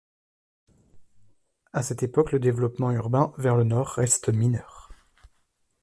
À cette époque, le développement urbain vers le nord reste mineur.